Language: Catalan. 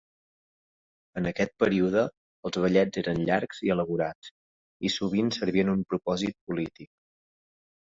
En aquest període els ballets eren llargs i elaborats i sovint servien un propòsit polític.